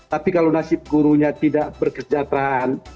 tapi kalau nasib gurunya tidak berkesejahteraan